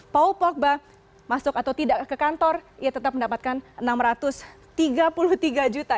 paul pogba masuk atau tidak ke kantor ia tetap mendapatkan enam ratus tiga puluh tiga juta